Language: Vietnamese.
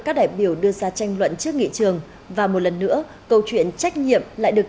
các đại biểu đưa ra tranh luận trước nghị trường và một lần nữa câu chuyện trách nhiệm lại được